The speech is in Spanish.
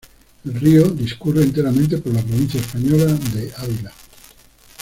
El río discurre enteramente por la provincia española de Ávila.